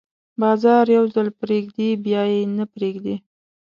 باز یو ځل پرېږدي، بیا یې نه پریږدي